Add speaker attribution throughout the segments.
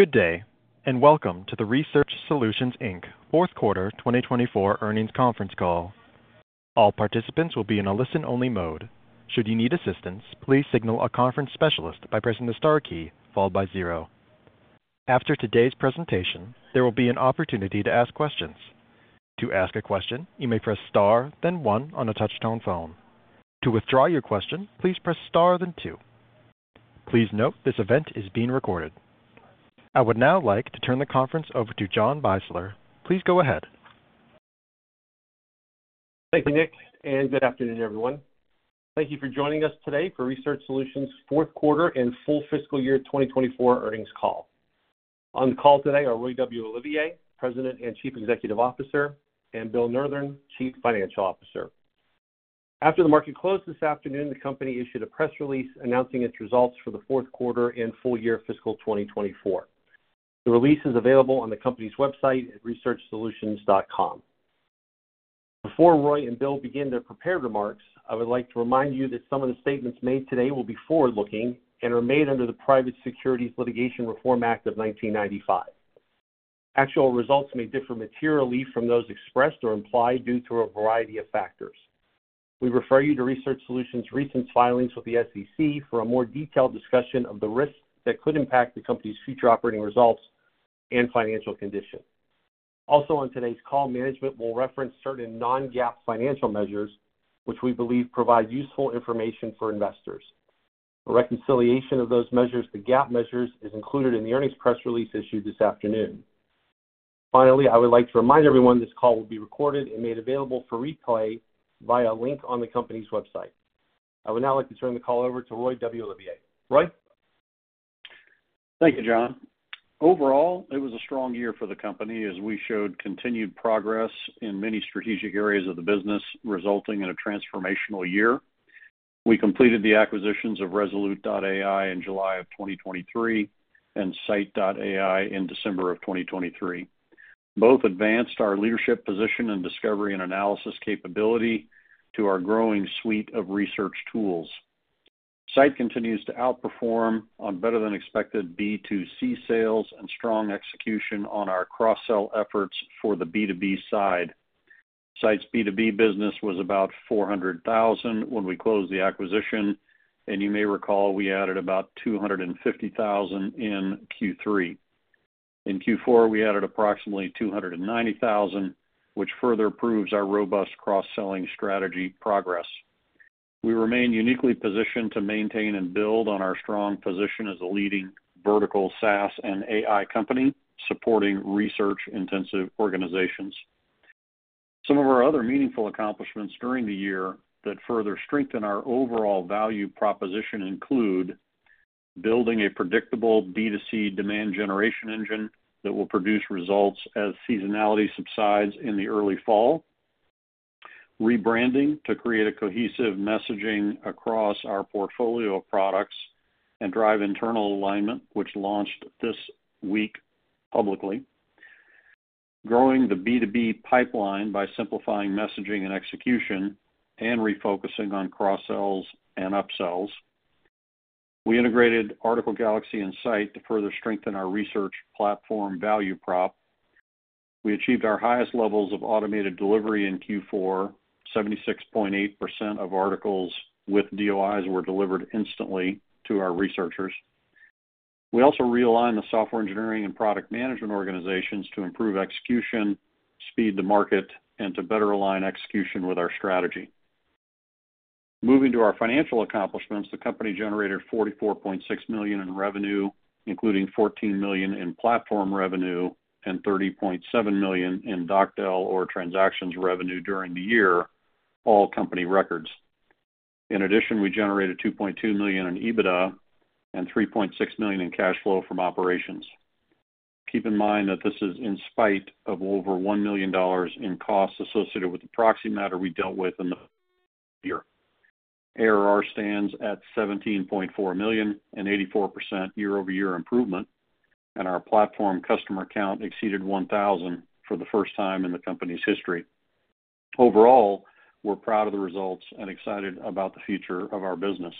Speaker 1: Good day, and welcome to the Research Solutions, Inc. fourth quarter twenty twenty-four earnings conference call. All participants will be in a listen-only mode. Should you need assistance, please signal a conference specialist by pressing the star key followed by zero. After today's presentation, there will be an opportunity to ask questions. To ask a question, you may press star, then one on a touchtone phone. To withdraw your question, please press star, then two. Please note this event is being recorded. I would now like to turn the conference over to John Beisler. Please go ahead.
Speaker 2: Thank you, Nick, and good afternoon, everyone. Thank you for joining us today for Research Solutions' fourth quarter and full fiscal year twenty twenty-four earnings call. On the call today are Roy W. Olivier, President and Chief Executive Officer, and Bill Nurthen, Chief Financial Officer. After the market closed this afternoon, the company issued a press release announcing its results for the fourth quarter and full year fiscal twenty twenty-four. The release is available on the company's website at researchsolutions.com. Before Roy and Bill begin their prepared remarks, I would like to remind you that some of the statements made today will be forward-looking and are made under the Private Securities Litigation Reform Act of nineteen ninety-five. Actual results may differ materially from those expressed or implied due to a variety of factors. We refer you to Research Solutions' recent filings with the SEC for a more detailed discussion of the risks that could impact the company's future operating results and financial condition. Also, on today's call, management will reference certain non-GAAP financial measures which we believe provide useful information for investors. A reconciliation of those measures to GAAP measures is included in the earnings press release issued this afternoon. Finally, I would like to remind everyone this call will be recorded and made available for replay via a link on the company's website. I would now like to turn the call over to Roy W. Olivier. Roy?
Speaker 3: Thank you, John. Overall, it was a strong year for the company as we showed continued progress in many strategic areas of the business, resulting in a transformational year. We completed the acquisitions of ResoluteAI in July of 2023 and Scite in December of 2023. Both advanced our leadership position in discovery and analysis capability to our growing suite of research tools. Scite continues to outperform on better-than-expected B2C sales and strong execution on our cross-sell efforts for the B2B side. Scite's B2B business was about $400,000 when we closed the acquisition, and you may recall we added about $250,000 in Q3. In Q4, we added approximately $290,000, which further proves our robust cross-selling strategy progress. We remain uniquely positioned to maintain and build on our strong position as a leading vertical SaaS and AI company, supporting research-intensive organizations. Some of our other meaningful accomplishments during the year that further strengthen our overall value proposition include building a predictable B2C demand generation engine that will produce results as seasonality subsides in the early fall, rebranding to create a cohesive messaging across our portfolio of products and drive internal alignment, which launched this week publicly. Growing the B2B pipeline by simplifying messaging and execution and refocusing on cross-sells and upsells. We integrated Article Galaxy and Scite to further strengthen our research platform value prop. We achieved our highest levels of automated delivery in Q4. 76.8% of articles with DOIs were delivered instantly to our researchers. We also realigned the software engineering and product management organizations to improve execution, speed to market, and to better align execution with our strategy. Moving to our financial accomplishments, the company generated $44.6 million in revenue, including $14 million in platform revenue and $30.7 million in DocDel or transactions revenue during the year, all company records. In addition, we generated $2.2 million in EBITDA and $3.6 million in cash flow from operations. Keep in mind that this is in spite of over $1 million in costs associated with the proxy matter we dealt with in the year. ARR stands at $17.4 million, an 84% year-over-year improvement, and our platform customer count exceeded 1,000 for the first time in the company's history. Overall, we're proud of the results and excited about the future of our business.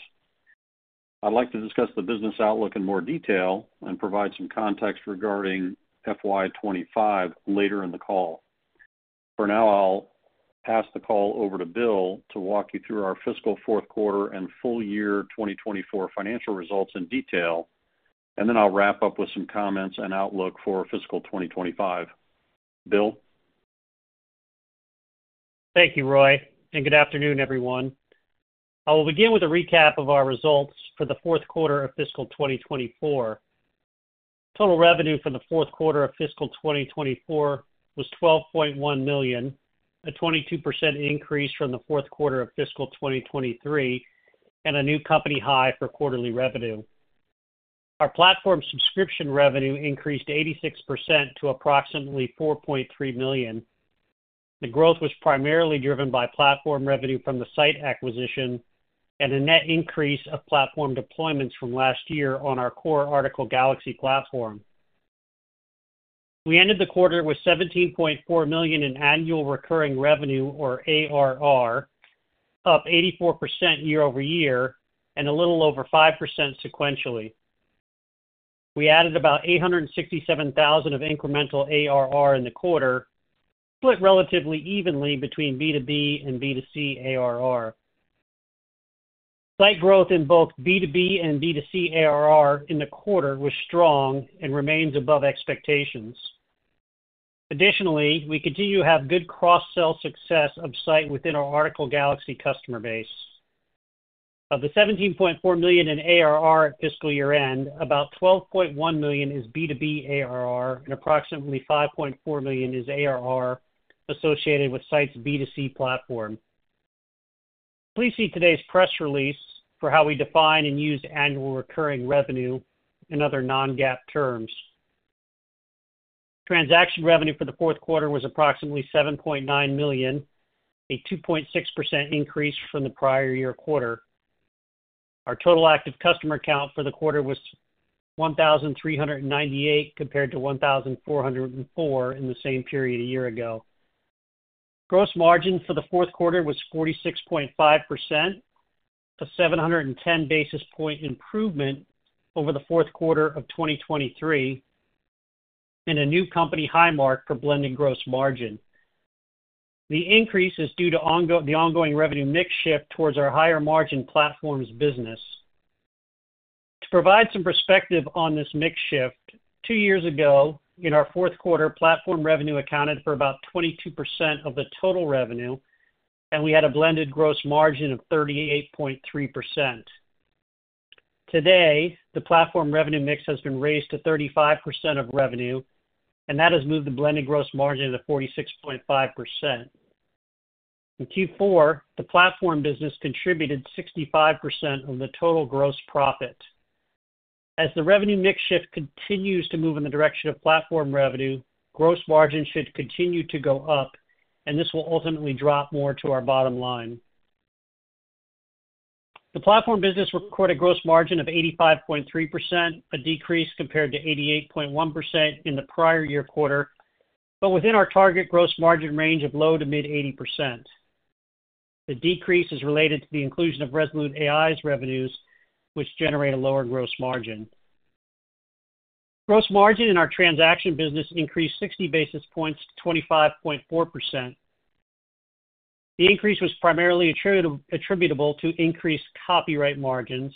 Speaker 3: I'd like to discuss the business outlook in more detail and provide some context regarding FY 2025 later in the call. For now, I'll pass the call over to Bill to walk you through our fiscal fourth quarter and full year 2024 financial results in detail, and then I'll wrap up with some comments and outlook for fiscal 2025. Bill?
Speaker 4: Thank you, Roy, and good afternoon, everyone. I will begin with a recap of our results for the fourth quarter of fiscal 2024. Total revenue for the fourth quarter of fiscal 2024 was $12.1 million, a 22% increase from the fourth quarter of fiscal 2023 and a new company high for quarterly revenue. Our platform subscription revenue increased 86% to approximately $4.3 million. The growth was primarily driven by platform revenue from the Scite acquisition and a net increase of platform deployments from last year on our core Article Galaxy platform. We ended the quarter with $17.4 million in annual recurring revenue, or ARR, up 84% year over year, and a little over 5% sequentially. We added about $867,000 of incremental ARR in the quarter, split relatively evenly between B2B and B2C ARR. Scite growth in both B2B and B2C ARR in the quarter was strong and remains above expectations. Additionally, we continue to have good cross-sell success of Scite within our Article Galaxy customer base. Of the 17.4 million in ARR at fiscal year-end, about 12.1 million is B2B ARR, and approximately 5.4 million is ARR associated with Scite's B2C platform. Please see today's press release for how we define and use annual recurring revenue and other non-GAAP terms. Transaction revenue for the fourth quarter was approximately 7.9 million, a 2.6% increase from the prior year quarter. Our total active customer count for the quarter was 1,398, compared to 1,404 in the same period a year ago. Gross margin for the fourth quarter was 46.5%, a 710 basis point improvement over the fourth quarter of 2023, and a new company high mark for blended gross margin. The increase is due to the ongoing revenue mix shift towards our higher margin platforms business. To provide some perspective on this mix shift, two years ago, in our fourth quarter, platform revenue accounted for about 22% of the total revenue, and we had a blended gross margin of 38.3%. Today, the platform revenue mix has been raised to 35% of revenue, and that has moved the blended gross margin to 46.5%. In Q4, the platform business contributed 65% of the total gross profit. As the revenue mix shift continues to move in the direction of platform revenue, gross margin should continue to go up, and this will ultimately drop more to our bottom line. The platform business recorded gross margin of 85.3%, a decrease compared to 88.1% in the prior year quarter, but within our target gross margin range of low to mid-80%. The decrease is related to the inclusion of ResoluteAI's revenues, which generate a lower gross margin. Gross margin in our transaction business increased 60 basis points to 25.4%. The increase was primarily attributable to increased copyright margins.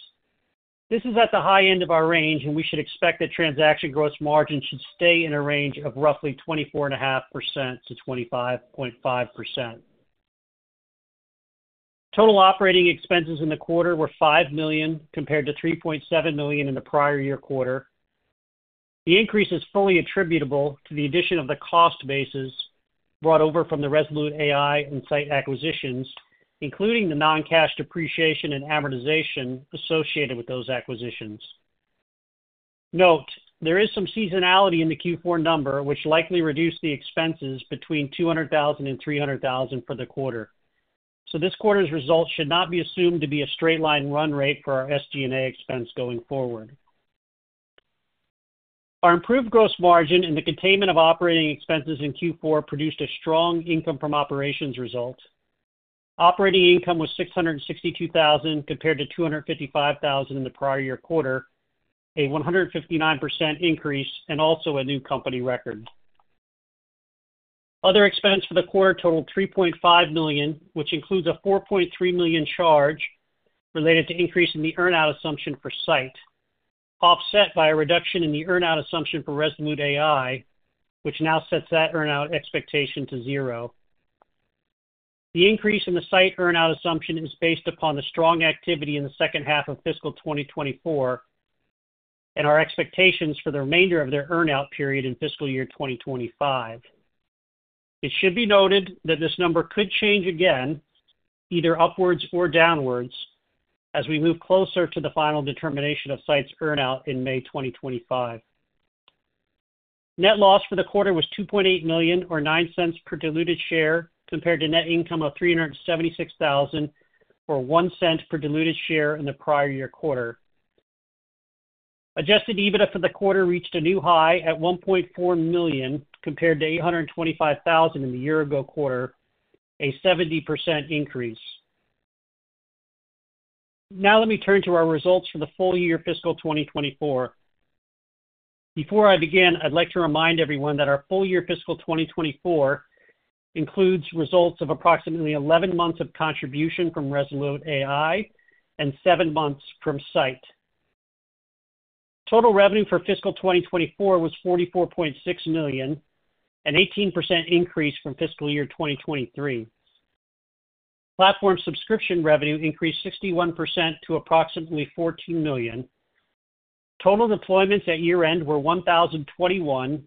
Speaker 4: This is at the high end of our range, and we should expect that transaction gross margin should stay in a range of roughly 24.5% to 25.5%. Total operating expenses in the quarter were $5 million, compared to $3.7 million in the prior year quarter. The increase is fully attributable to the addition of the cost bases brought over from the ResoluteAI and Scite acquisitions, including the non-cash depreciation and amortization associated with those acquisitions. Note, there is some seasonality in the Q4 number, which likely reduced the expenses between $200,000 and $300,000 for the quarter. So this quarter's results should not be assumed to be a straight line run rate for our SG&A expense going forward. Our improved gross margin and the containment of operating expenses in Q4 produced a strong income from operations result. Operating income was $662,000, compared to $255,000 in the prior year quarter, a 159% increase, and also a new company record. Other expense for the quarter totaled $3.5 million, which includes a $4.3 million charge related to increase in the earn-out assumption for Scite, offset by a reduction in the earn-out assumption for ResoluteAI, which now sets that earn-out expectation to zero. The increase in the Scite earn-out assumption is based upon the strong activity in the second half of fiscal 2024 and our expectations for the remainder of their earn-out period in fiscal year 2025. It should be noted that this number could change again, either upwards or downwards, as we move closer to the final determination of Scite's earn-out in May 2025. Net loss for the quarter was $2.8 million, or $0.09 per diluted share, compared to net income of $376,000, or $0.01 per diluted share in the prior year quarter. Adjusted EBITDA for the quarter reached a new high at $1.4 million, compared to $825,000 in the year ago quarter, a 70% increase. Now, let me turn to our results for the full year fiscal 2024. Before I begin, I'd like to remind everyone that our full year fiscal 2024 includes results of approximately 11 months of contribution from ResoluteAI and 7 months from Scite. Total revenue for fiscal 2024 was $44.6 million, an 18% increase from fiscal year 2023. Platform subscription revenue increased 61% to approximately $14 million. Total deployments at year-end were 1,021,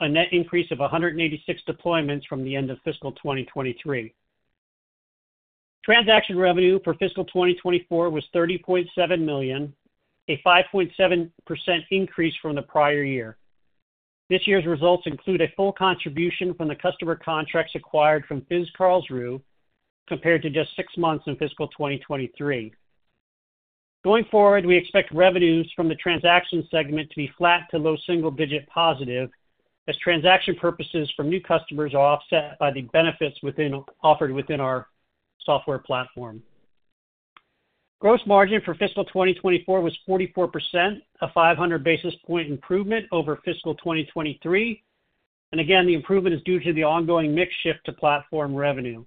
Speaker 4: a net increase of 186 deployments from the end of fiscal year 2023. Transaction revenue for fiscal 2024 was $30.7 million, a 5.7% increase from the prior year. This year's results include a full contribution from the customer contracts acquired from FIZ Karlsruhe, compared to just six months in fiscal 2023.... Going forward, we expect revenues from the transaction segment to be flat to low single digit positive, as transaction purchases from new customers are offset by the benefits offered within our software platform. Gross margin for fiscal 2024 was 44%, a 500 basis point improvement over fiscal 2023, and again, the improvement is due to the ongoing mix shift to platform revenue.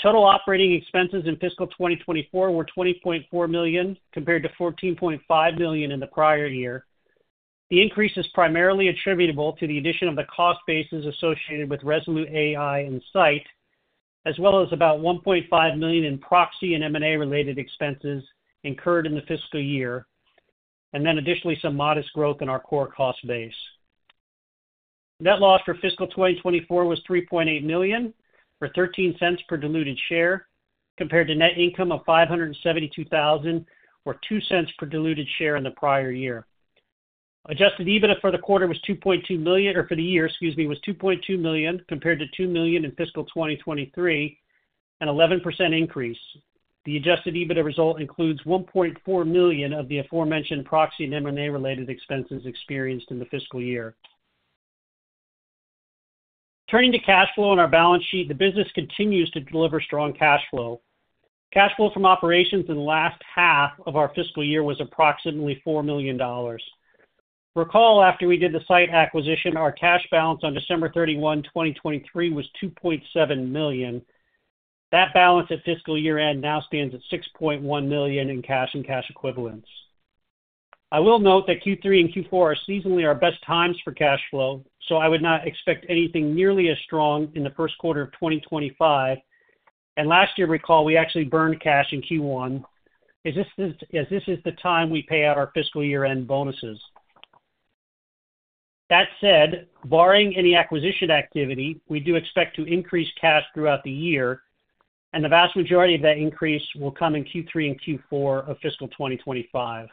Speaker 4: Total operating expenses in fiscal 2024 were $20.4 million, compared to $14.5 million in the prior year. The increase is primarily attributable to the addition of the cost bases associated with ResoluteAI and Scite, as well as about $1.5 million in proxy and M&A-related expenses incurred in the fiscal year, and then additionally, some modest growth in our core cost base. Net loss for fiscal 2024 was $3.8 million, or 13 cents per diluted share, compared to net income of $572,000, or 2 cents per diluted share in the prior year. Adjusted EBITDA for the quarter was $2.2 million, or for the year, excuse me, was $2.2 million, compared to $2 million in fiscal 2023, an 11% increase. The adjusted EBITDA result includes $1.4 million of the aforementioned proxy and M&A-related expenses experienced in the fiscal year. Turning to cash flow on our balance sheet, the business continues to deliver strong cash flow. Cash flow from operations in the last half of our fiscal year was approximately $4 million. Recall, after we did the Scite acquisition, our cash balance on December 31, 2023, was $2.7 million. That balance at fiscal year-end now stands at $6.1 million in cash and cash equivalents. I will note that Q3 and Q4 are seasonally our best times for cash flow, so I would not expect anything nearly as strong in the first quarter of 2025. Last year, recall, we actually burned cash in Q1, as this is the time we pay out our fiscal year-end bonuses. That said, barring any acquisition activity, we do expect to increase cash throughout the year, and the vast majority of that increase will come in Q3 and Q4 of fiscal 2025.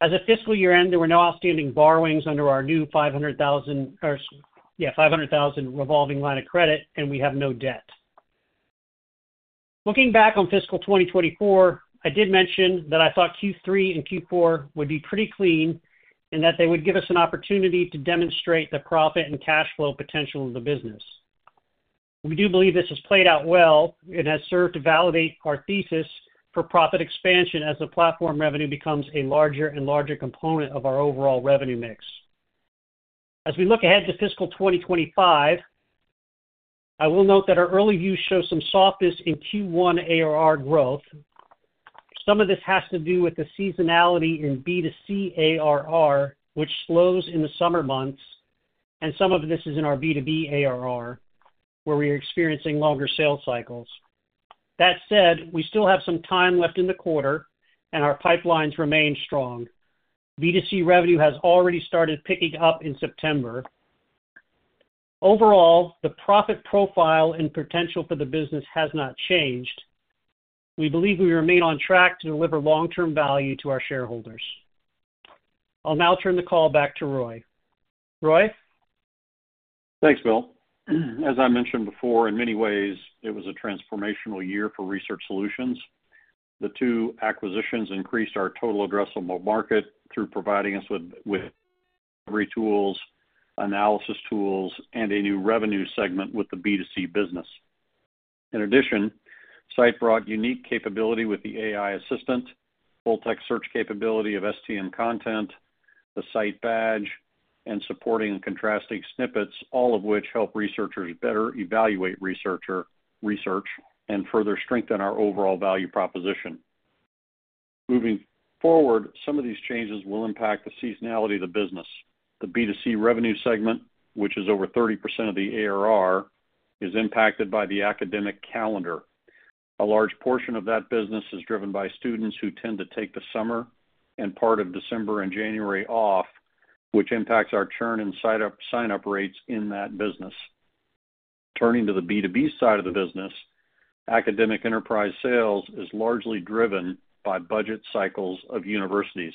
Speaker 4: As of fiscal year-end, there were no outstanding borrowings under our new $500,000 revolving line of credit, and we have no debt. Looking back on fiscal 2024, I did mention that I thought Q3 and Q4 would be pretty clean and that they would give us an opportunity to demonstrate the profit and cash flow potential of the business. We do believe this has played out well and has served to validate our thesis for profit expansion as the platform revenue becomes a larger and larger component of our overall revenue mix. As we look ahead to fiscal 2025, I will note that our early views show some softness in Q1 ARR growth. Some of this has to do with the seasonality in B2C ARR, which slows in the summer months, and some of this is in our B2B ARR, where we are experiencing longer sales cycles. That said, we still have some time left in the quarter, and our pipelines remain strong. B2C revenue has already started picking up in September. Overall, the profit profile and potential for the business has not changed. We believe we remain on track to deliver long-term value to our shareholders. I'll now turn the call back to Roy. Roy?
Speaker 3: Thanks, Bill. As I mentioned before, in many ways, it was a transformational year for Research Solutions. The two acquisitions increased our total addressable market through providing us with tools, analysis tools, and a new revenue segment with the B2C business. In addition, Scite brought unique capability with the AI assistant, full-text search capability of STM content, Scite Badge, and supporting contrasting snippets, all of which help researchers better evaluate research and further strengthen our overall value proposition. Moving forward, some of these changes will impact the seasonality of the business. The B2C revenue segment, which is over 30% of the ARR, is impacted by the academic calendar. A large portion of that business is driven by students who tend to take the summer and part of December and January off, which impacts our churn and sign-up rates in that business. Turning to the B2B side of the business, academic enterprise sales is largely driven by budget cycles of universities.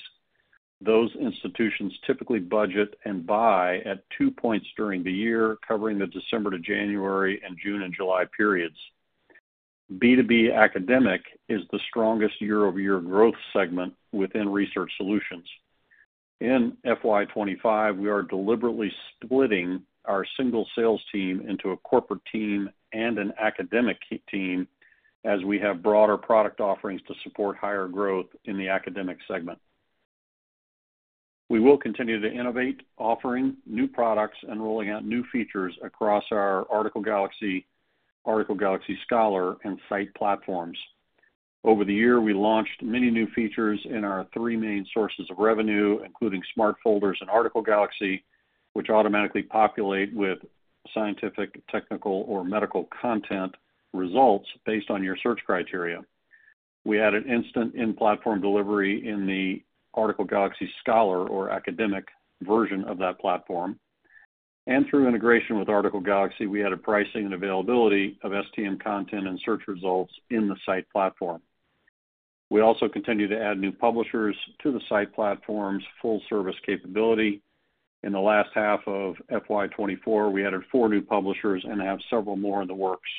Speaker 3: Those institutions typically budget and buy at two points during the year, covering the December to January and June and July periods. B2B academic is the strongest year-over-year growth segment within Research Solutions. In FY 2025, we are deliberately splitting our single sales team into a corporate team and an academic team, as we have broader product offerings to support higher growth in the academic segment. We will continue to innovate, offering new products and rolling out new features across our Article Galaxy, Article Galaxy Scholar, and Scite platforms. Over the year, we launched many new features in our three main sources of revenue, including Smart Folders and Article Galaxy, which automatically populate with scientific, technical, or medical content results based on your search criteria. We had an instant in-platform delivery in the Article Galaxy Scholar or academic version of that platform. And through integration with Article Galaxy, we had a pricing and availability of STM content and search results in the Scite platform. We also continued to add new publishers to the Scite platform's full service capability. In the last half of FY 2024, we added four new publishers and have several more in the works.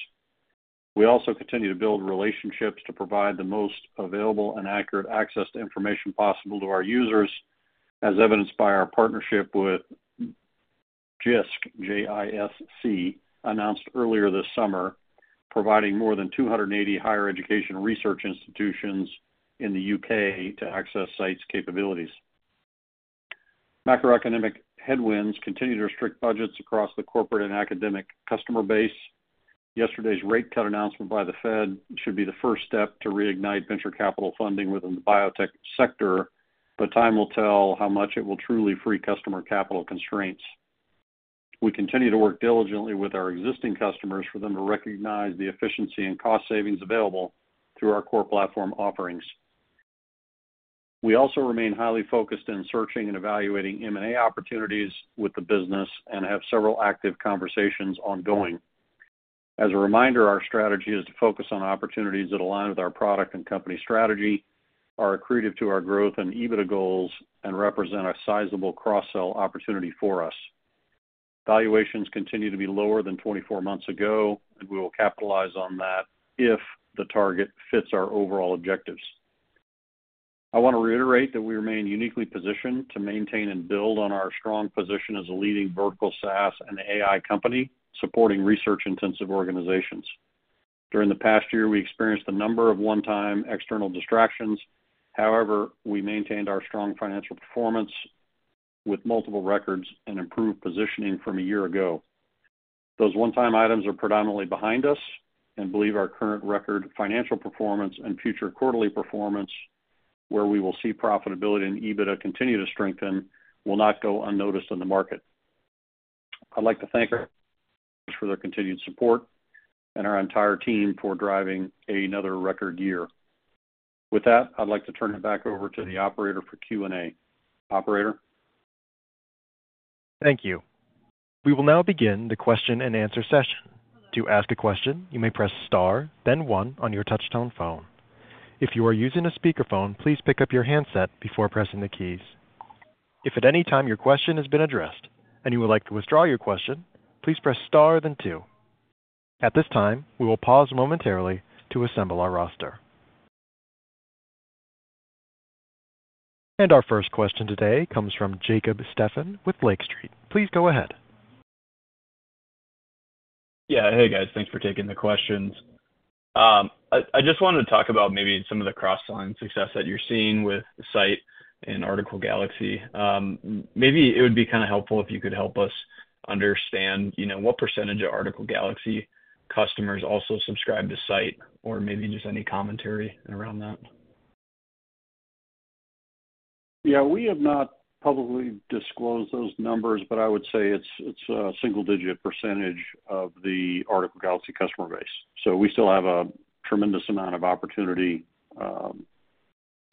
Speaker 3: We also continue to build relationships to provide the most available and accurate access to information possible to our users, as evidenced by our partnership with Jisc, J-I-S-C, announced earlier this summer, providing more than 280 higher education research institutions in the U.K. to access Scite's capabilities. Macroeconomic headwinds continue to restrict budgets across the corporate and academic customer base. Yesterday's rate cut announcement by the Fed should be the first step to reignite venture capital funding within the biotech sector, but time will tell how much it will truly free customer capital constraints. We continue to work diligently with our existing customers for them to recognize the efficiency and cost savings available through our core platform offerings. We also remain highly focused in searching and evaluating M&A opportunities with the business and have several active conversations ongoing. As a reminder, our strategy is to focus on opportunities that align with our product and company strategy, are accretive to our growth and EBITDA goals, and represent a sizable cross-sell opportunity for us. Valuations continue to be lower than twenty-four months ago, and we will capitalize on that if the target fits our overall objectives. I want to reiterate that we remain uniquely positioned to maintain and build on our strong position as a leading vertical SaaS and AI company, supporting research-intensive organizations. During the past year, we experienced a number of one-time external distractions. However, we maintained our strong financial performance with multiple records and improved positioning from a year ago. Those one-time items are predominantly behind us and we believe our current record financial performance and future quarterly performance, where we will see profitability and EBITDA continue to strengthen, will not go unnoticed in the market. I'd like to thank our investors for their continued support and our entire team for driving another record year. With that, I'd like to turn it back over to the operator for Q&A. Operator?
Speaker 1: Thank you. We will now begin the question-and-answer session. To ask a question, you may press Star, then one on your touchtone phone. If you are using a speakerphone, please pick up your handset before pressing the keys. If at any time your question has been addressed and you would like to withdraw your question, please press Star, then two. At this time, we will pause momentarily to assemble our roster. And our first question today comes from Jacob Steffen with Lake Street. Please go ahead.
Speaker 5: Yeah. Hey, guys, thanks for taking the questions. I just wanted to talk about maybe some of the cross-selling success that you're seeing with Scite and Article Galaxy. Maybe it would be kind of helpful if you could help us understand, you know, what percentage of Article Galaxy customers also subscribe to Scite, or maybe just any commentary around that.
Speaker 3: Yeah, we have not publicly disclosed those numbers, but I would say it's a single-digit percentage of the Article Galaxy customer base. So we still have a tremendous amount of opportunity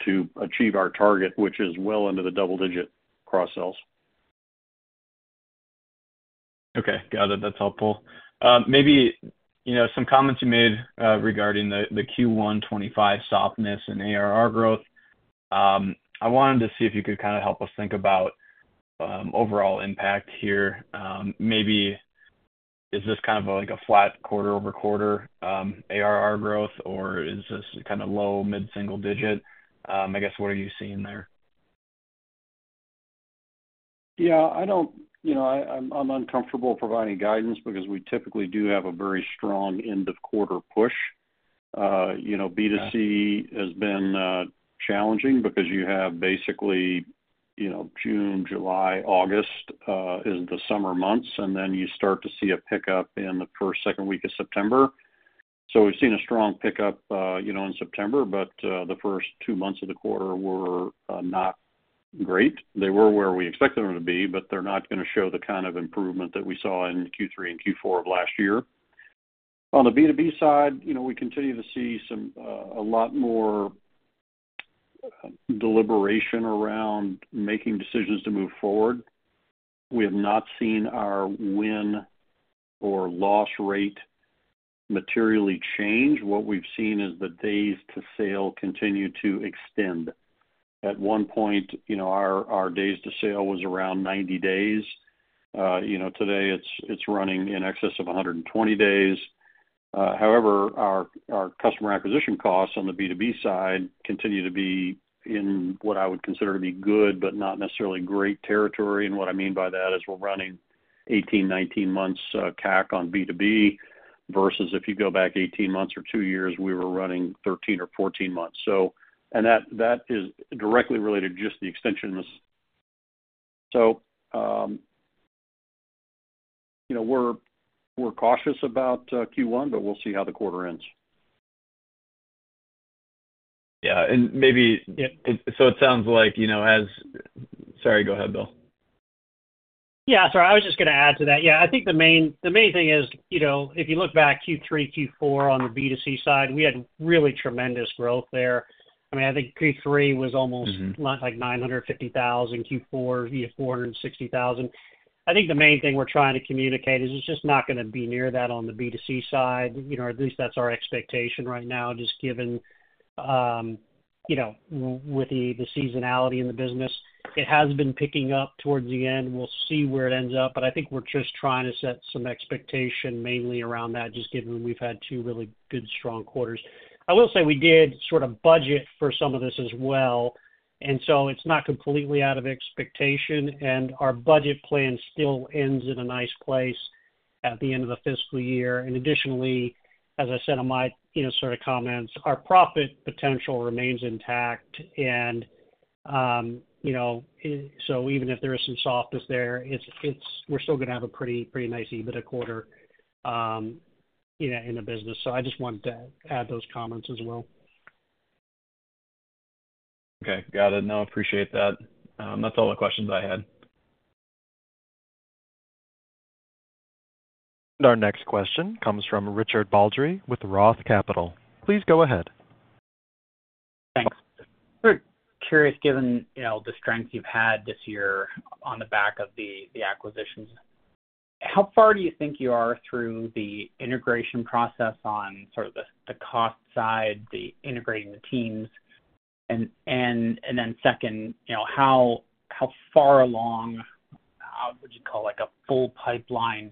Speaker 3: to achieve our target, which is well into the double-digit cross-sells.
Speaker 5: Okay, got it. That's helpful. Maybe, you know, some comments you made regarding the Q1 twenty-five softness and ARR growth. I wanted to see if you could kind of help us think about overall impact here. Maybe is this kind of like a flat quarter over quarter ARR growth, or is this kind of low, mid-single digit? I guess, what are you seeing there?
Speaker 3: Yeah, I don't. You know, I, I'm uncomfortable providing guidance because we typically do have a very strong end-of-quarter push. You know, B2C-
Speaker 5: Yeah
Speaker 3: It has been challenging because you have basically, you know, June, July, August is the summer months, and then you start to see a pickup in the first, second week of September. So we've seen a strong pickup, you know, in September, but the first two months of the quarter were not great. They were where we expected them to be, but they're not going to show the kind of improvement that we saw in Q3 and Q4 of last year. On the B2B side, you know, we continue to see some a lot more deliberation around making decisions to move forward. We have not seen our win or loss rate materially change. What we've seen is the days to sale continue to extend. At one point, you know, our days to sale was around 90 days. You know, today it's running in excess of a hundred and twenty days. However, our customer acquisition costs on the B2B side continue to be in what I would consider to be good but not necessarily great territory. And what I mean by that is we're running 18, 19 months CAC on B2B, versus if you go back 18 months or two years, we were running 13 or 14 months. So, and that is directly related to just the extension. So, you know, we're cautious about Q1, but we'll see how the quarter ends.
Speaker 5: Yeah, and maybe
Speaker 3: Yeah.
Speaker 5: It sounds like, you know, as... Sorry, go ahead, Bill.
Speaker 4: Yeah, sorry. I was just going to add to that. Yeah, I think the main, the main thing is, you know, if you look back Q3, Q4, on the B2C side, we had really tremendous growth there. I mean, I think Q3 was almost-
Speaker 5: Mm-hmm
Speaker 4: Like $950,000, Q4, versus $460,000. I think the main thing we're trying to communicate is it's just not gonna be near that on the B2C side, you know, at least that's our expectation right now, just given, you know, with the seasonality in the business. It has been picking up towards the end. We'll see where it ends up, but I think we're just trying to set some expectation mainly around that, just given we've had two really good, strong quarters. I will say we did sort of budget for some of this as well, and so it's not completely out of expectation, and our budget plan still ends in a nice place at the end of the fiscal year. And additionally, as I said in my, you know, sort of comments, our profit potential remains intact. You know, so even if there is some softness there, it's. We're still gonna have a pretty nice EBITDA quarter in the business. So I just wanted to add those comments as well.
Speaker 5: Okay. Got it. No, appreciate that. That's all the questions I had.
Speaker 1: Our next question comes from Richard Baldry with Roth Capital. Please go ahead.
Speaker 6: Thanks. Very curious, given, you know, the strength you've had this year on the back of the acquisitions, how far do you think you are through the integration process on sort of the cost side, the integrating the teams? And then second, you know, how far along would you call, like, a full pipeline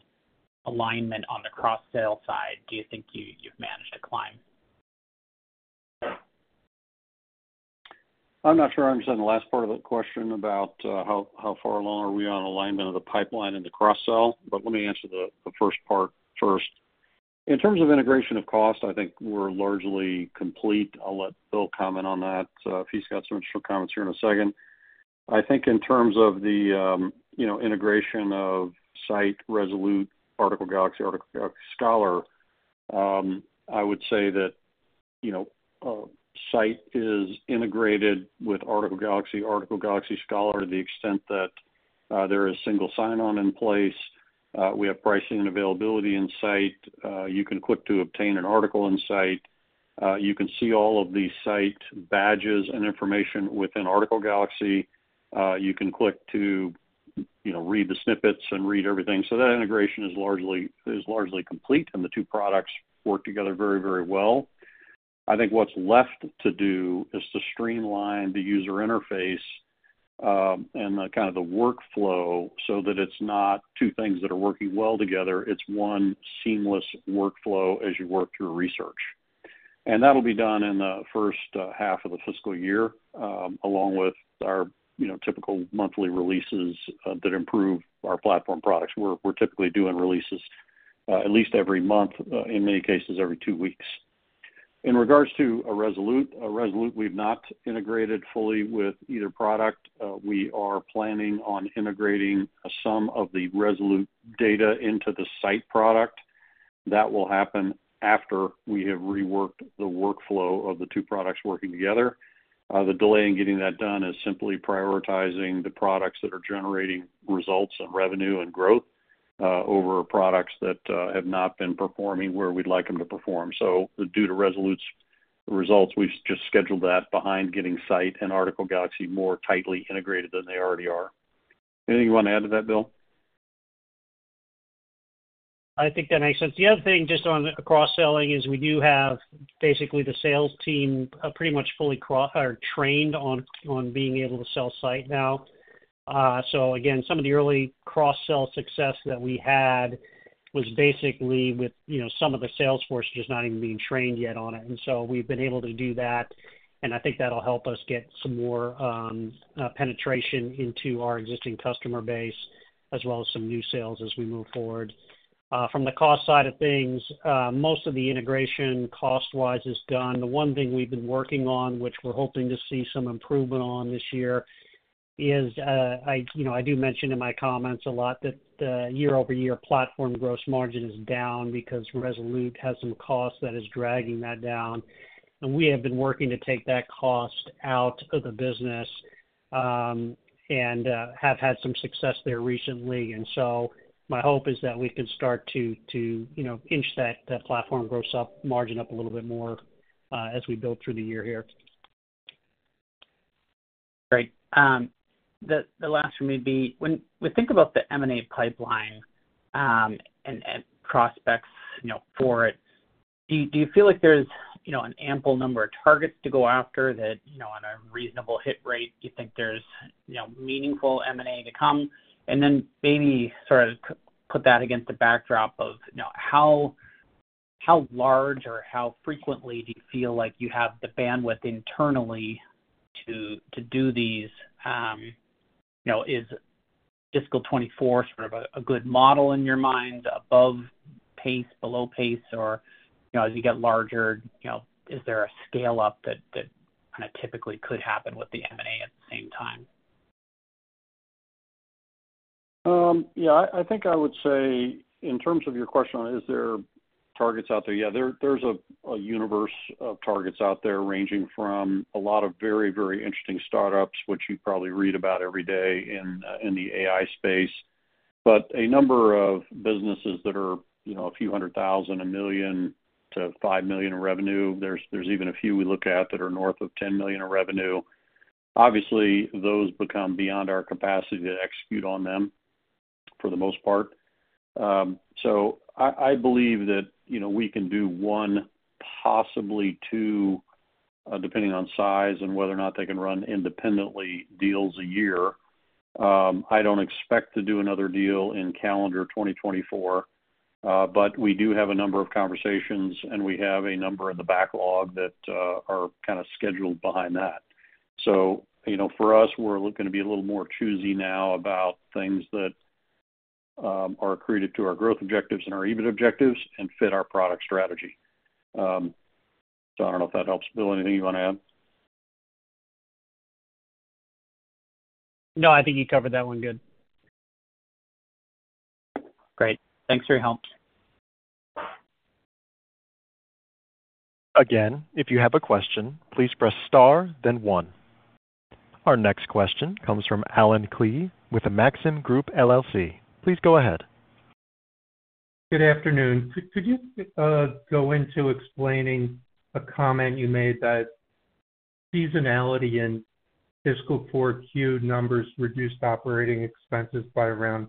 Speaker 6: alignment on the cross-sale side do you think you've managed to climb?
Speaker 3: I'm not sure I understand the last part of the question about how far along are we on alignment of the pipeline and the cross-sell, but let me answer the first part first. In terms of integration of cost, I think we're largely complete. I'll let Bill comment on that, if he's got some additional comments here in a second. I think in terms of you know, integration of Scite, Resolute, Article Galaxy, Article Galaxy Scholar, I would say that, you know, Scite is integrated with Article Galaxy, Article Galaxy Scholar, to the extent that there is single sign-on in place. We have pricing and availability in Scite. You can click to obtain an article in Scite. You can see all of Scite Badges and information within Article Galaxy. You can click to, you know, read the snippets and read everything. So that integration is largely complete, and the two products work together very, very well. I think what's left to do is to streamline the user interface, and the workflow so that it's not two things that are working well together, it's one seamless workflow as you work through research. And that'll be done in the first half of the fiscal year, along with our, you know, typical monthly releases that improve our platform products. We're typically doing releases at least every month, in many cases, every two weeks. In regards to Resolute, we've not integrated fully with either product. We are planning on integrating some of the Resolute data into the Scite product. That will happen after we have reworked the workflow of the two products working together. The delay in getting that done is simply prioritizing the products that are generating results and revenue and growth, over products that have not been performing where we'd like them to perform, so due to Resolute's results, we've just scheduled that behind getting Scite and Article Galaxy more tightly integrated than they already are. Anything you want to add to that, Bill?
Speaker 4: I think that makes sense. The other thing, just on cross-selling, is we do have basically the sales team, pretty much fully cross-trained on being able to sell Scite now. So again, some of the early cross-sell success that we had was basically with, you know, some of the sales force just not even being trained yet on it. And so we've been able to do that, and I think that'll help us get some more penetration into our existing customer base, as well as some new sales as we move forward. From the cost side of things, most of the integration cost-wise is done. The one thing we've been working on, which we're hoping to see some improvement on this year, is, you know, I do mention in my comments a lot that the year-over-year platform gross margin is down because Resolute has some cost that is dragging that down. And we have been working to take that cost out of the business, and have had some success there recently. And so my hope is that we can start to, you know, inch that platform gross margin up a little bit more, as we build through the year here.
Speaker 6: Great. The last one may be, when we think about the M&A pipeline, and prospects, you know, for it, do you feel like there's, you know, an ample number of targets to go after that, you know, on a reasonable hit rate, do you think there's, you know, meaningful M&A to come? And then maybe sort of put that against the backdrop of, you know, how large or how frequently do you feel like you have the bandwidth internally to do these, you know, is fiscal 2024 sort of a good model in your mind, above pace, below pace? Or, you know, as you get larger, you know, is there a scale-up that kind of typically could happen with the M&A at the same time?
Speaker 3: Yeah, I think I would say, in terms of your question on is there targets out there, yeah, there's a universe of targets out there, ranging from a lot of very, very interesting startups, which you probably read about every day in the AI space. But a number of businesses that are, you know, a few hundred thousand, a million to five million in revenue. There's even a few we look at that are north of 10 million in revenue. Obviously, those become beyond our capacity to execute on them for the most part. So I believe that, you know, we can do one, possibly two, depending on size and whether or not they can run independently, deals a year. I don't expect to do another deal in calendar 2024, but we do have a number of conversations, and we have a number in the backlog that are kind of scheduled behind that, so you know, for us, we're gonna be a little more choosy now about things that are accretive to our growth objectives and our EBIT objectives and fit our product strategy, so I don't know if that helps. Bill, anything you want to add?
Speaker 4: No, I think you covered that one good.
Speaker 6: Great. Thanks for your help.
Speaker 1: Again, if you have a question, please press star, then one. Our next question comes from Alan Klee with the Maxim Group LLC. Please go ahead.
Speaker 7: Good afternoon. Could you go into explaining a comment you made that seasonality in fiscal 4Q numbers reduced operating expenses by around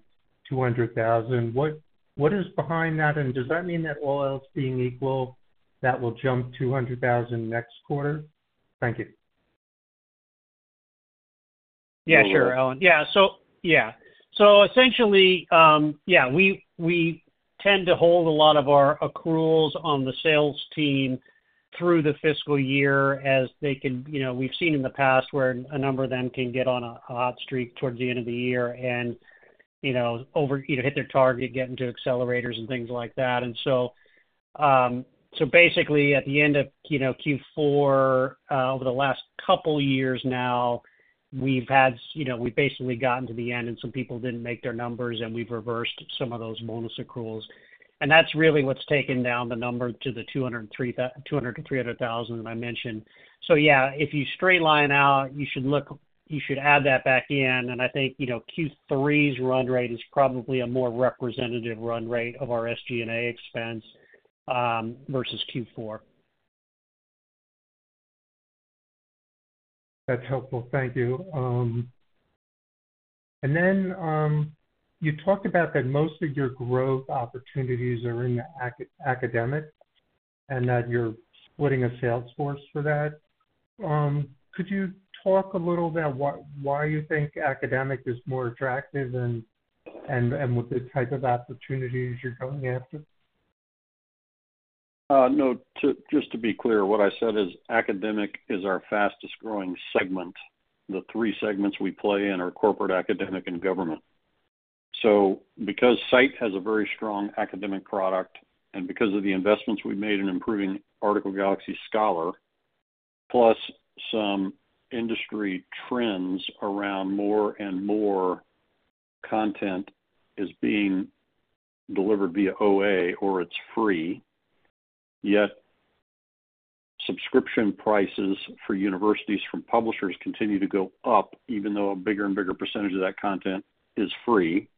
Speaker 7: $200,000? What is behind that, and does that mean that all else being equal, that will jump $200,000 next quarter? Thank you.
Speaker 4: Yeah, sure, Alan. Yeah, so, yeah. So essentially, yeah, we tend to hold a lot of our accruals on the sales team through the fiscal year as they can, you know. We've seen in the past where a number of them can get on a hot streak towards the end of the year and, you know, over, you know, hit their target, get into accelerators and things like that. And so, so basically, at the end of, you know, Q4, over the last couple years now, we've had, you know, we've basically gotten to the end, and some people didn't make their numbers, and we've reversed some of those bonus accruals. And that's really what's taken down the number to the $200,000-$300,000 that I mentioned. Yeah, if you straight line out, you should add that back in, and I think, you know, Q3's run rate is probably a more representative run rate of our SG&A expense versus Q4.
Speaker 7: That's helpful. Thank you, and then you talked about that most of your growth opportunities are in academic and that you're splitting a sales force for that. Could you talk a little about why you think academic is more attractive and with the type of opportunities you're going after?
Speaker 3: No, just to be clear, what I said is academic is our fastest-growing segment. The three segments we play in are corporate, academic, and government. So because Scite has a very strong academic product and because of the investments we've made in improving Article Galaxy Scholar, plus some industry trends around more and more content is being delivered via OA or it's free, yet subscription prices for universities from publishers continue to go up, even though a bigger and bigger percentage of that content is free.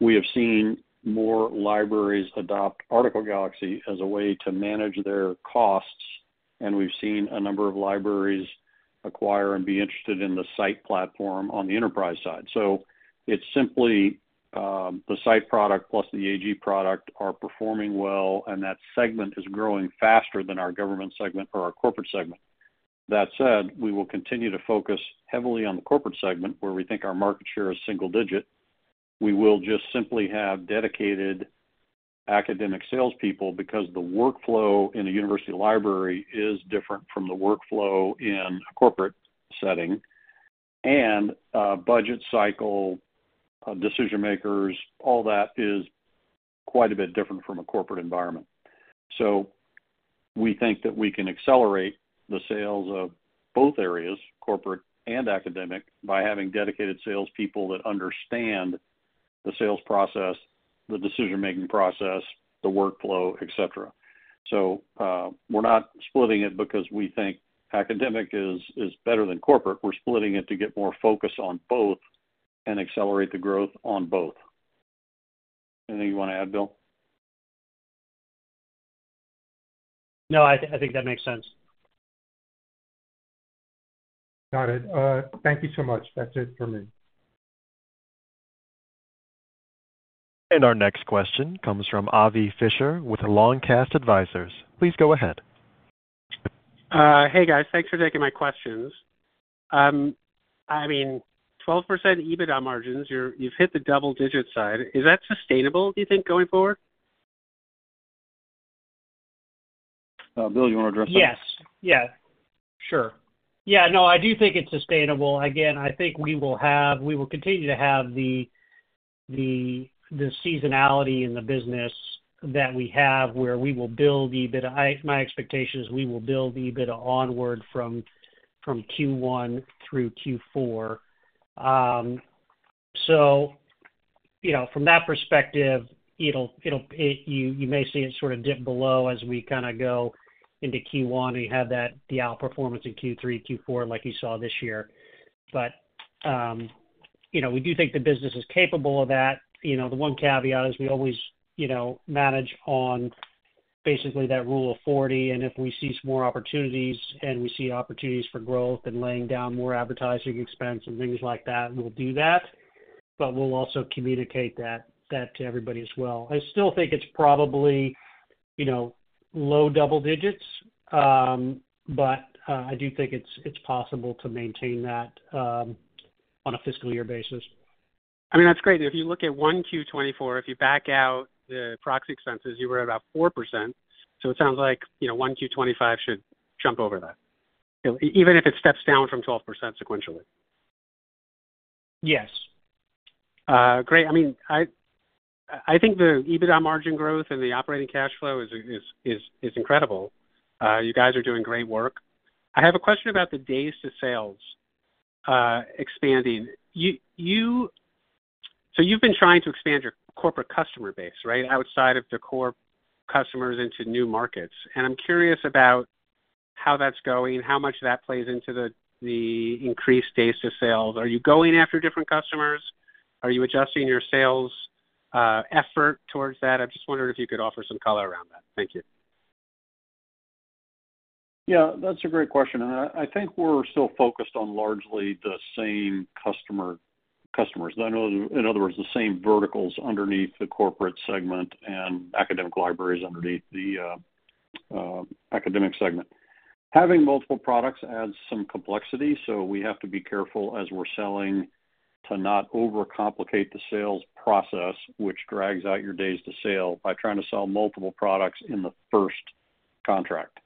Speaker 3: We have seen more libraries adopt Article Galaxy as a way to manage their costs, and we've seen a number of libraries acquire and be interested in the Scite platform on the enterprise side. So it's simply, the Scite product plus the AG product are performing well, and that segment is growing faster than our government segment or our corporate segment. That said, we will continue to focus heavily on the corporate segment, where we think our market share is single digit. We will just simply have dedicated academic salespeople because the workflow in a university library is different from the workflow in a corporate setting. And budget cycle, decision-makers, all that is quite a bit different from a corporate environment. So we think that we can accelerate the sales of both areas, corporate and academic, by having dedicated salespeople that understand the sales process, the decision-making process, the workflow, et cetera. So, we're not splitting it because we think academic is better than corporate. We're splitting it to get more focus on both and accelerate the growth on both. Anything you want to add, Bill?
Speaker 4: No, I think that makes sense.
Speaker 7: Got it. Thank you so much. That's it for me.
Speaker 1: Our next question comes from Avi Fisher with Longcast Advisors. Please go ahead.
Speaker 8: Hey, guys. Thanks for taking my questions. I mean, 12% EBITDA margins, you're- you've hit the double-digit side. Is that sustainable, do you think, going forward?
Speaker 3: Bill, you want to address that?
Speaker 4: Yes. Yeah, sure. Yeah, no, I do think it's sustainable. Again, I think we will have. We will continue to have the seasonality in the business that we have, where we will build EBITDA. My expectation is we will build EBITDA onward from Q1 through Q4. So, you know, from that perspective, it'll. You may see it sort of dip below as we kind of go into Q1, and you have that the outperformance in Q3, Q4, like you saw this year. But, you know, we do think the business is capable of that. You know, the one caveat is we always, you know, manage on. Basically that Rule of 40, and if we see some more opportunities and we see opportunities for growth and laying down more advertising expense and things like that, we'll do that, but we'll also communicate that to everybody as well. I still think it's probably, you know, low double digits, but I do think it's possible to maintain that on a fiscal year basis.
Speaker 8: I mean, that's great. If you look at 1Q24, if you back out the proxy expenses, you were at about 4%. So it sounds like, you know, 1Q25 should jump over that, even if it steps down from 12% sequentially.
Speaker 4: Yes.
Speaker 8: Great. I mean, I think the EBITDA margin growth and the operating cash flow is incredible. You guys are doing great work. I have a question about the days to sales expanding, so you've been trying to expand your corporate customer base, right? Outside of the core customers into new markets, and I'm curious about how that's going, how much of that plays into the increased days to sales. Are you going after different customers? Are you adjusting your sales effort towards that? I'm just wondering if you could offer some color around that. Thank you.
Speaker 3: Yeah, that's a great question, and I think we're still focused on largely the same customer, customers. I know, in other words, the same verticals underneath the corporate segment and academic libraries underneath the academic segment. Having multiple products adds some complexity, so we have to be careful as we're selling to not overcomplicate the sales process, which drags out your days to sale, by trying to sell multiple products in the first contract.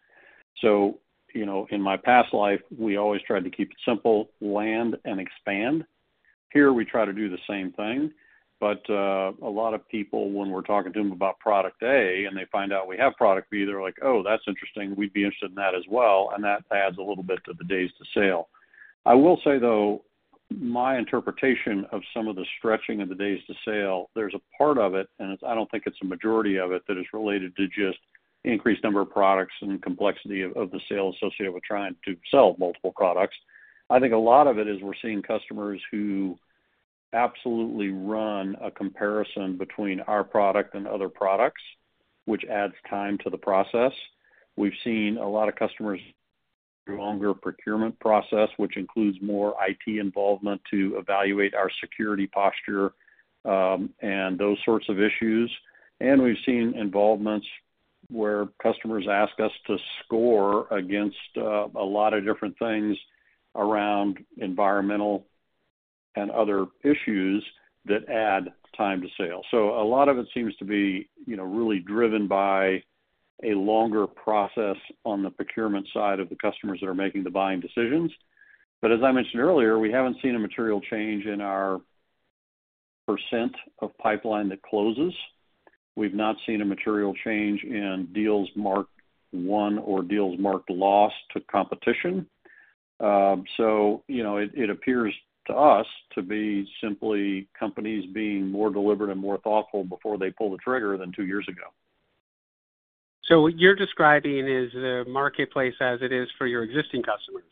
Speaker 3: So, you know, in my past life, we always tried to keep it simple, land and expand. Here, we try to do the same thing, but a lot of people, when we're talking to them about product A, and they find out we have product B, they're like: "Oh, that's interesting. We'd be interested in that as well." And that adds a little bit to the days to sale. I will say, though, my interpretation of some of the stretching of the days to sale. There's a part of it, and it's. I don't think it's a majority of it, that is related to just increased number of products and complexity of, of the sale associated with trying to sell multiple products. I think a lot of it is we're seeing customers who absolutely run a comparison between our product and other products, which adds time to the process. We've seen a lot of customers do longer procurement process, which includes more IT involvement to evaluate our security posture, and those sorts of issues. And we've seen involvements where customers ask us to score against, a lot of different things around environmental and other issues that add time to sale. So a lot of it seems to be, you know, really driven by a longer process on the procurement side of the customers that are making the buying decisions. But as I mentioned earlier, we haven't seen a material change in our percent of pipeline that closes. We've not seen a material change in deals marked won or deals marked lost to competition. So, you know, it appears to us to be simply companies being more deliberate and more thoughtful before they pull the trigger than two years ago.
Speaker 8: So what you're describing is the marketplace as it is for your existing customers?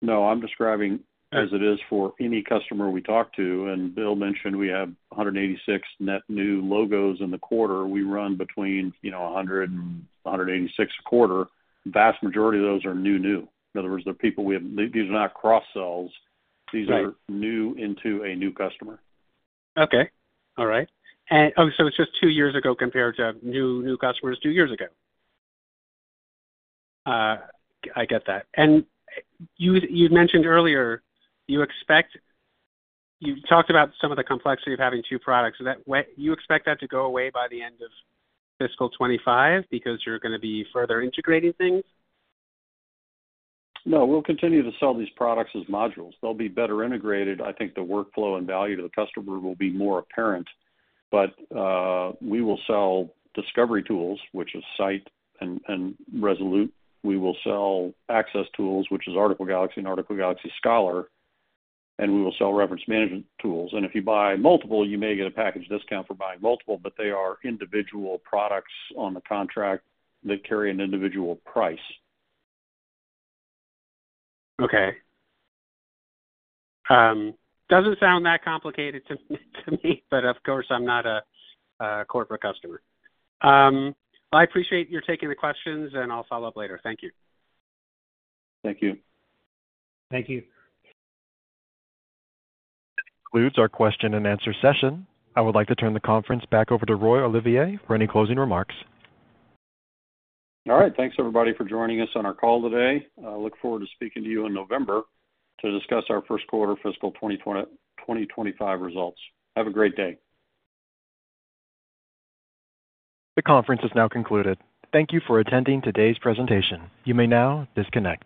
Speaker 3: No, I'm describing as it is for any customer we talk to, and Bill mentioned we have a hundred and eighty-six net new logos in the quarter. We run between, you know, a hundred and a hundred and eighty-six a quarter. Vast majority of those are new, new. In other words, they're people we have. These are not cross sells.
Speaker 8: Right.
Speaker 3: These are new into a new customer.
Speaker 8: Okay. All right. And, oh, so it's just two years ago compared to new, new customers two years ago? I get that. And you, you'd mentioned earlier, you expect... You talked about some of the complexity of having two products. So that way, you expect that to go away by the end of fiscal twenty-five because you're gonna be further integrating things?
Speaker 3: No, we'll continue to sell these products as modules. They'll be better integrated. I think the workflow and value to the customer will be more apparent, but we will sell discovery tools, which is Scite and ResoluteAI. We will sell access tools, which is Article Galaxy and Article Galaxy Scholar, and we will sell reference management tools, and if you buy multiple, you may get a package discount for buying multiple, but they are individual products on the contract that carry an individual price.
Speaker 8: Okay. Doesn't sound that complicated to me, but of course, I'm not a corporate customer. I appreciate your taking the questions, and I'll follow up later. Thank you.
Speaker 3: Thank you.
Speaker 4: Thank you.
Speaker 1: That concludes our question and answer session. I would like to turn the conference back over to Roy Olivier for any closing remarks.
Speaker 3: All right. Thanks, everybody, for joining us on our call today. I look forward to speaking to you in November to discuss our first quarter fiscal twenty twenty-five results. Have a great day.
Speaker 1: The conference is now concluded. Thank you for attending today's presentation. You may now disconnect.